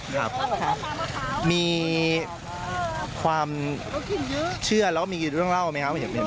ครับมีความเชื่อแล้วมีเรื่องเล่าไหมครับ